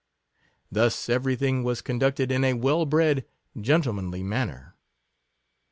Thus every thing was conducted in a well bred, gentlemanly manner.